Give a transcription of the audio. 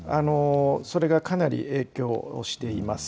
それがかなり影響しています。